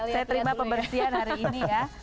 saya terima pembersihan hari ini ya